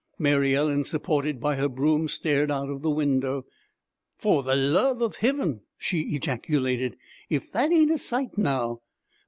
Mary Ellen, supported by her broom, stared out of the window. 'For th' love of Hiven!' she ejaculated. 'If that ain't a sight now!